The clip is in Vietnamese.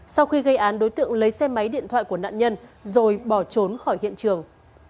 sau khi gây án đối tượng lấy xe máy điện thoại của nạn nhân rồi bỏ trốn khỏi hiện trường